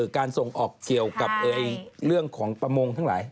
การส่งออกเกี่ยวกับเรื่องของประมงทั้งหลาย